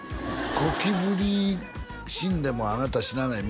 「ゴキブリ死んでもあなた死なない」みたいなこと